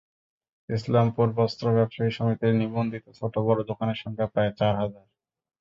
ইসলামপুর বস্ত্র ব্যবসায়ী সমিতির নিবন্ধিত ছোট-বড় দোকানের সংখ্যা প্রায় চার হাজার।